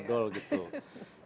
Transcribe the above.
keripik kerupuk dodol gitu